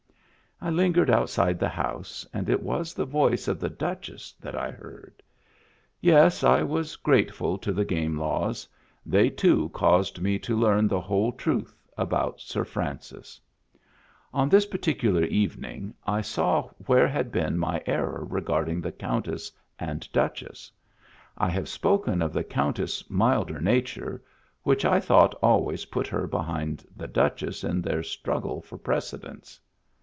I lingered outside the house and it was the voice of the Duchess that I heard. Yes, I was grateful to the Digitized by Google THE DRAKE WHO HAD MEANS OF HIS OWN 299 game laws. They, too, caused me to learn the whole truth about Sir Francis. On this particular evening I saw where had been my error regarding the Countess and Duchess. I have spoken of the Countess' milder nature, which I thought always put her behind the Duchess in their struggle for precedence.